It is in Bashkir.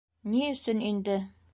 Ни өсөн инде?